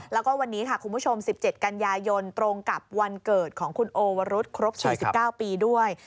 แล้วก็วันนี้ค่ะคุณผู้ชม๑๗กันยายนตรงกับวันเกิดของคุณโอวรุษครบ๔๙ปีด้วย